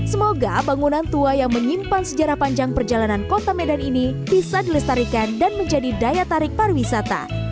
semoga bangunan tua yang menyimpan sejarah panjang perjalanan kota medan ini bisa dilestarikan dan menjadi daya tarik pariwisata